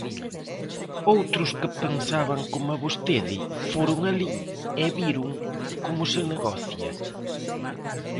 Outros que pensaban coma vostede foron alí e viron como se negocia.